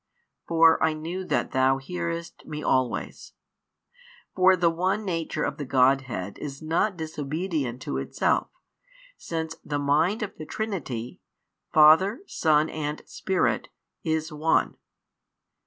For I knew that Thou hearest Me always. For the one Nature of the Godhead is not disobedient to itself, since the Mind of the Trinity, Father, Son, and Spirit, is One.